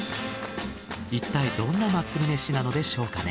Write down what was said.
いったいどんな祭りめしなのでしょうかね。